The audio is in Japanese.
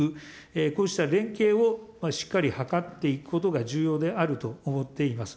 こうした連携をしっかり図っていくことが重要であると思っています。